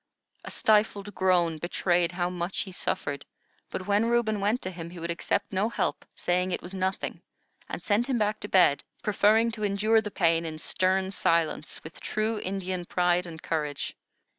A stifled groan betrayed how much he suffered; but when Reuben went to him, he would accept no help, said it was nothing, and sent him back to bed, preferring to endure the pain in stern silence, with true Indian pride and courage.